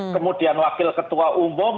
kemudian wakil ketua umum